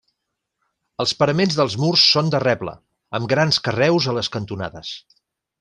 Els paraments dels murs són de reble, amb grans carreus a les cantonades.